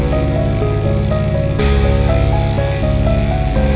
อย่างไรเลยครับ